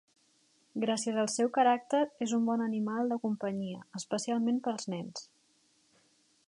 Gràcies al seu caràcter és un bon animal de companyia, especialment per als nens.